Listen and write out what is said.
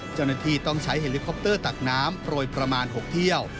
เจ้าหน้าที่ต้องใช้เฮลิคอปเตอร์ตักน้ำโปรยประมาณ๖เที่ยว